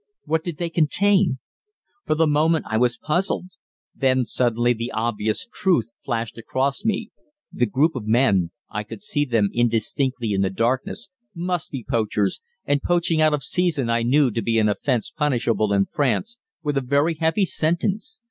What did they contain? For the moment I was puzzled. Then suddenly the obvious truth flashed across me. The group of men I could see them indistinctly in the darkness must be poachers, and poaching out of season I knew to be an offence punishable in France with a very heavy sentence.